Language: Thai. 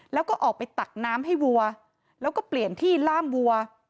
แล้วก็ออกไปตักน้ำให้วัวแล้วก็เปลี่ยนที่ล่ามวัว